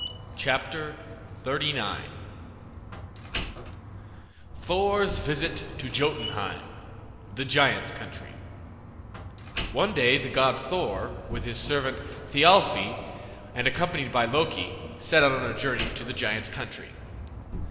CHAPTER XXXIX THOR'S VISIT TO JOTUNHEIM THOR'S VISIT TO JOTUNHEIM, THE GIANT'S COUNTRY One day the god Thor, with his servant Thialfi, and accompanied by Loki, set out on a journey to the giant's country.